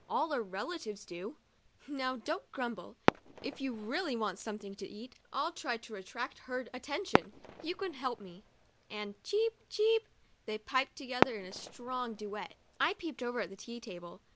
All our relatives do." " Now, don't grumble. If you really want something to eat, I'll try to attract her attention. You can help me," and cheep ! cheep ! they piped together in a strong duet. I peeped over at the tea table.